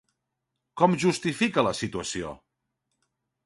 Com justifica la situació?